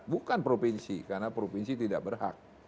bukan provinsi karena provinsi tidak berhak